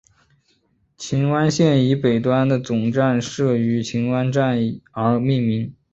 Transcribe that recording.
荃湾线以北端的总站设于荃湾站而命名。